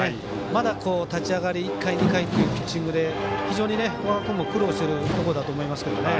まだ立ち上がり１回、２回というピッチングで非常に古賀君も苦労しているところだと思います。